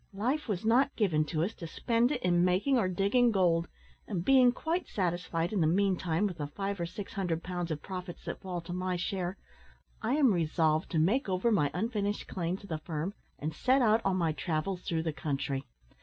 Life was not given to us to spend it in making or digging gold; and, being quite satisfied, in the meantime, with the five or six hundred pounds of profits that fall to my share, I am resolved to make over my unfinished claim to the firm, and set out on my travels through the country.